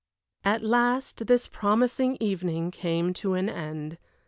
At last this promising evening came to an end.